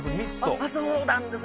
そうなんです！